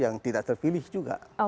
yang tidak terpilih juga